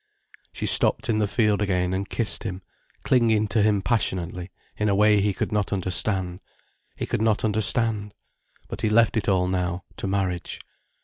She stopped in the field again and kissed him, clinging to him passionately, in a way he could not understand. He could not understand. But he left it all now, to marriage.